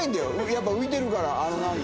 やっぱ浮いてるから。